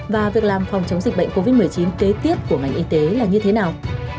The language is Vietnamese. và việc làm phòng chống dịch bệnh covid một mươi chín kế tiếp của ngành y tế là như thế nào